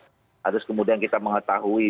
terus kemudian kita mengetahui